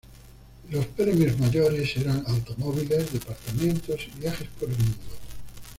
Los premios mayores eran automóviles, departamentos y viajes por el mundo.